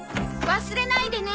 忘れないでね。